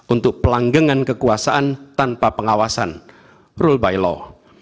untuk pelanggengan kekuasaan tanpa pengawasan rule by law